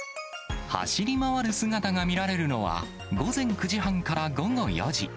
走り回る姿が見られるのは、午前９時半から午後４時。